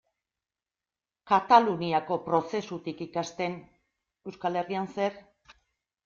Kataluniako prozesutik ikasten, Euskal Herrian zer?